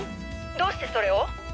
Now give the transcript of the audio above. どうしてそれを？